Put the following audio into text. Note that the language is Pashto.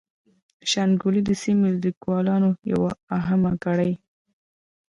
د شانګلې د سيمې د ليکوالانو يوه اهمه کړۍ